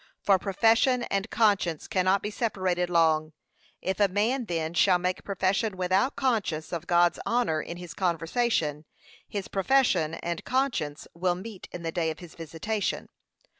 For profession and conscience cannot be separated long; if a man then shall make profession without conscience of God's honour in his conversation, his profession and conscience will meet in the day of his visitation.